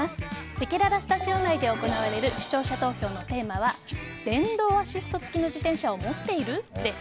せきららスタジオ内で行われる視聴者投票のテーマは電動アシスト付きの自転車を持っている？です。